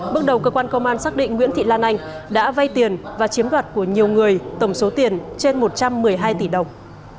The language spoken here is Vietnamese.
bước đầu cơ quan công an xác định nguyễn thị lan anh đã vay tiền và chiếm đoạt của nhiều người tổng số tiền trên một trăm một mươi hai tỷ đồng